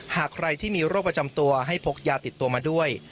หากใครที่มีโรคประจำตัวให้พกยาติดตัวมาด้วย